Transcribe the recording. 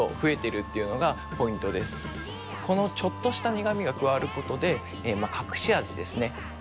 このちょっとした苦味が加わることで隠し味ですね。